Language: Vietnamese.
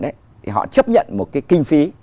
thì họ chấp nhận một cái kinh phí